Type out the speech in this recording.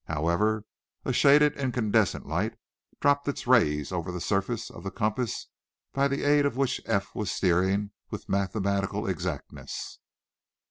However, a shaded incandescent light dropped its rays over the surface of the compass by the aid of which Eph was steering with mathematical exactness.